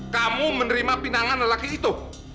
kamu menerima pinangan lelaki itu